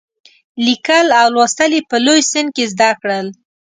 لیکل او لوستل یې په لوی سن کې زده کړل.